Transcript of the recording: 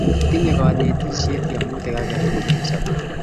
Tinyei kanetisie tyemutik age tugul eng' sobet